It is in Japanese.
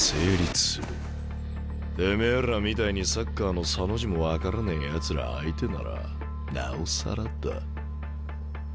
てめえらみたいにサッカーのサの字も分からねえやつら相手ならなおさらだ。